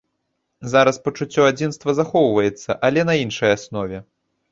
Зараз пачуццё адзінства захоўваецца, але на іншай аснове.